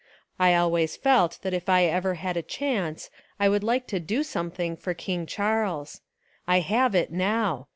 I al ways felt that If I ever had a chance I would like to do something for King Charles. I have It now.